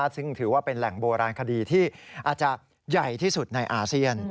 ซึ่งถือว่าเป็นแหล่งโบราณคดีที่อาจจะใหญ่ที่สุดในอาเซียน